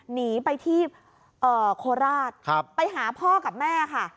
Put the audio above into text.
หนีไปที่โคราชไปหาพ่อกับแม่ค่ะ